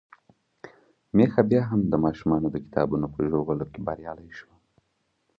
ميښه بيا هم د ماشومانو د کتابونو په ژولو کې بريالۍ شوه.